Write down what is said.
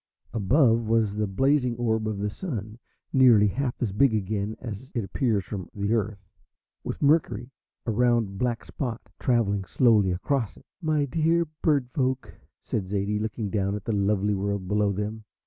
Above was the blazing orb of the Sun, nearly half as big again as it appears from the Earth, with Mercury, a round black spot, travelling slowly across it. "My dear Bird Folk!" said Zaidie, looking down at the lovely world below them.